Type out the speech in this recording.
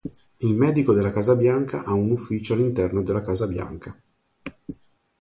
Il medico della Casa Bianca ha un ufficio all'interno della Casa Bianca.